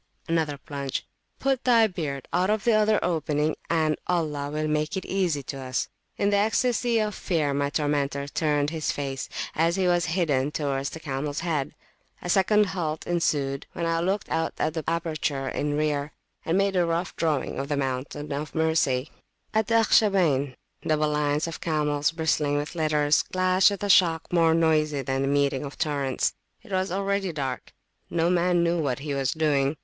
(another plunge)put thy beard out of the other opening, and Allah will make it easy to us. In the ecstasy of fear my tormentor turned his face, as he was bidden, towards the camels head. A second halt ensued, when I looked out of the aperture in rear, and made a rough drawing of the Mountain of Mercy. At the Akhshabayn, double lines of camels, bristling with litters, clashed with a shock more noisy than the meeting of torrents. It was already dark: no man knew what he was doing.